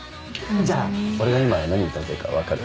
じゃあ俺が今何歌いたいか分かる？